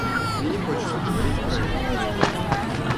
Мне не хочется говорить про это.